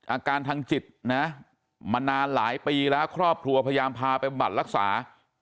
อาการทางจิตนะมานานหลายปีแล้วครอบครัวพยายามพาไปบำบัดรักษา